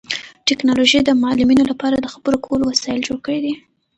ټیکنالوژي د معلولینو لپاره د خبرو کولو وسایل جوړ کړي دي.